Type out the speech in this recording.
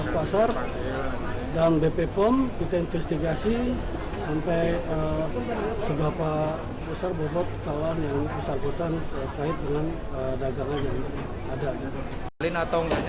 pertanyaan terakhir bagaimana cara melakukan investigasi dalam bppom